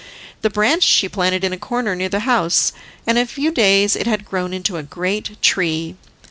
The branch she planted in a corner near the house, and in a few days it had grown into a great tree.